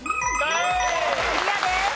クリアです。